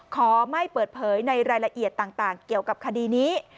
ขอไม่เปิดเผยในรายละเอียดต่างเกี่ยวกับคดีนี้